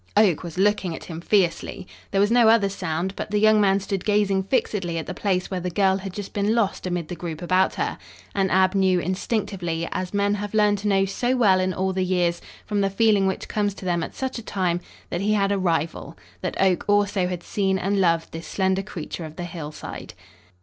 Oak was looking at him fiercely. There was no other sound, but the young man stood gazing fixedly at the place where the girl had just been lost amid the group about her. And Ab knew instinctively, as men have learned to know so well in all the years, from the feeling which comes to them at such a time, that he had a rival, that Oak also had seen and loved this slender creature of the hillside.